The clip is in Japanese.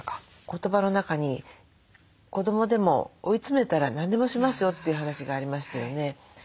言葉の中に「子どもでも追い詰めたら何でもしますよ」という話がありましたよね。